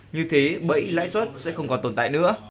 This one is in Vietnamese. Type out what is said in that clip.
như thế bẫy lãi suất sẽ không còn tồn tại nữa